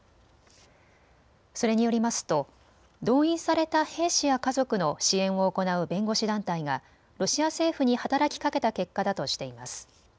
それによりますと動員された兵士や家族の支援を行う弁護士団体がロシア政府に働きかけた結果だとしています。